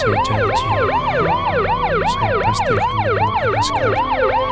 majana seperti secret